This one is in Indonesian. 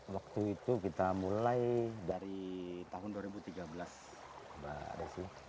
waktu itu kita mulai dari tahun dua ribu tiga belas mbak desi